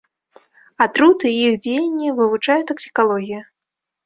Атруты і іх дзеянне вывучае таксікалогія.